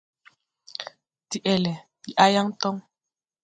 Deʼele, ndi a yaŋ toŋ.